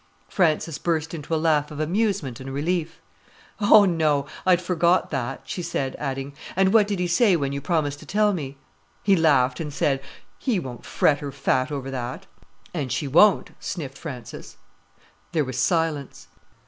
Frances burst into a laugh of amusement and relief. "Oh, no; I'd forgot that," she said, adding, "And what did he say when you promised to tell me?" "He laughed and said, 'he won't fret her fat over that.'" "And she won't," sniffed Frances. There was silence.